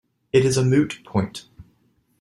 It is a moot point.